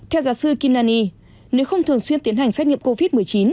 theo giáo sư kinnan nếu không thường xuyên tiến hành xét nghiệm covid một mươi chín